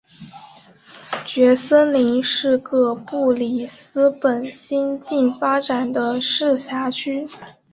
蕨森林是个布里斯本新近发展的市辖区。